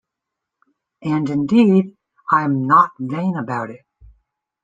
And indeed I’m not vain about it.